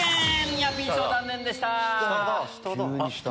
ニアピン賞残念でした！